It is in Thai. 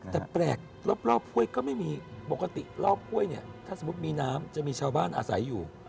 แต่แปลกรอบห้วยก็ไม่มีปกติรอบห้วยเนี่ยถ้าสมมุติมีน้ำจะมีชาวบ้านอาศัยอยู่